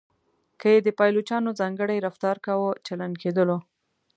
که یې د پایلوچانو ځانګړی رفتار کاوه چلنج کېدلو.